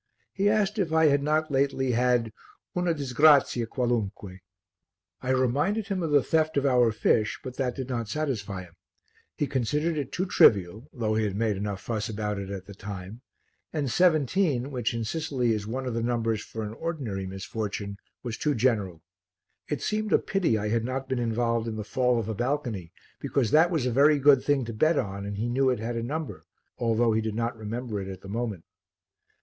He asked if I had not lately had "una disgrazia qualunque." I reminded him of the theft of our fish, but that did not satisfy him, he considered it too trivial, though he had made enough fuss about it at the time, and 17, which in Sicily is one of the numbers for an ordinary misfortune, was too general. It seemed a pity I had not been involved in the fall of a balcony because that was a very good thing to bet on and he knew it had a number, although he did not remember it at the moment.